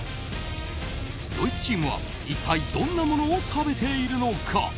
ドイツチームは一体どんなものを食べているのか。